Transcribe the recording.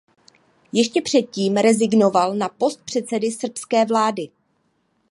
Ještě předtím rezignoval na post předsedy srbské vlády.